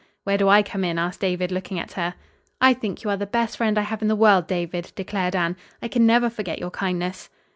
"Where do I come in?" asked David, looking at her. "I think you are the best friend I have in the world, David," declared Anne. "I can never forget your kindness."